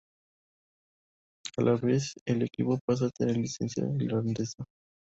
A la vez el equipo pasa a tener licencia irlandesa.